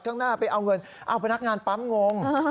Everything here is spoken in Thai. ข้างหน้าไปเอาเงินเอาพนักงานปั๊มงง